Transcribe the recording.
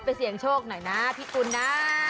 ขอเป็นเสียงโชคหน่อยนะพี่กุญนะ